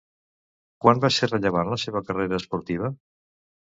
Quan va ser rellevant la seva carrera esportiva?